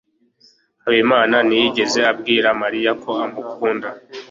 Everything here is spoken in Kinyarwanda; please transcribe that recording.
habimana ntiyigeze abwira mariya ko amukunda